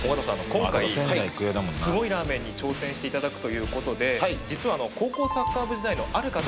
今回すごいラーメンに挑戦して頂くという事で実は高校サッカー部時代のある方から。